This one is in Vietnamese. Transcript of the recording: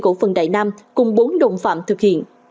cổ phần đại nam cùng bốn đồng phạm thực hiện